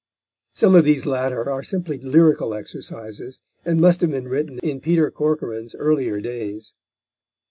Some of these latter are simply lyrical exercises, and must have been written in Peter Corcoran's earlier days.